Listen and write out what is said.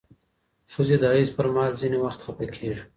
ښځې د حیض پر مهال ځینې وخت خپه کېږي.